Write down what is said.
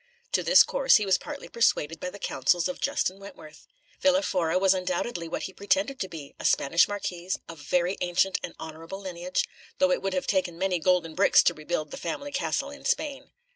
To this course he was partly persuaded by the counsels of Justin Wentworth. Villa Fora was undoubtedly what he pretended to be, a Spanish marquis of very ancient and honourable lineage, though it would take many golden bricks to rebuild the family castle in Spain.